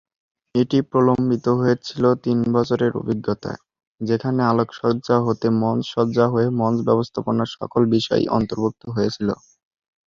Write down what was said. এটি প্রলম্বিত হয়েছিল তিন বছরের অভিজ্ঞতায়, যেখানে আলোকসজ্জা হতে মঞ্চ সজ্জা হয়ে মঞ্চ ব্যবস্থাপনা সকল বিষয়ই অন্তর্ভুক্ত হয়েছিল।